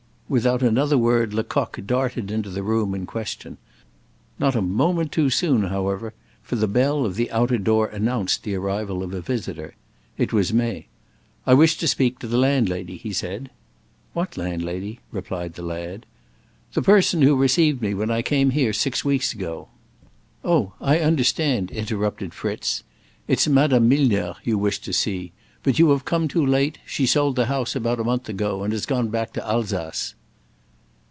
Without another word Lecoq darted into the room in question. Not a moment too soon, however, for the bell of the outer door announced the arrival of a visitor. It was May. "I wish to speak to the landlady," he said. "What landlady?" replied the lad. "The person who received me when I came here six weeks ago " "Oh, I understand," interrupted Fritz; "it's Madame Milner you want to see; but you have come too late; she sold the house about a month ago, and has gone back to Alsace."